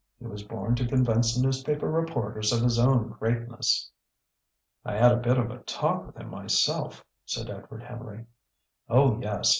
He was born to convince newspaper reporters of his own greatness." "I had a bit of talk with him myself," said Edward Henry. "Oh, yes!